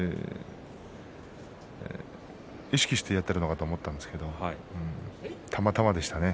意識してやっているのかと思ったんですがたまたまでしたね。